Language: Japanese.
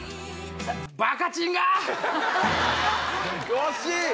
惜しい！